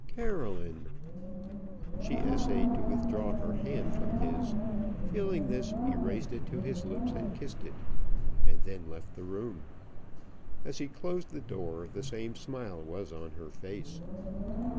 "Caroline!" She essayed to withdraw her hand from his. Feeling this, he raised it to his lips and kissed it, and then left the room. As he closed the door the same smile was on her face.